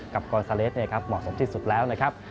กับกรสเลสเนี่ยครับเหมาะสมที่สุดแล้วนะครับ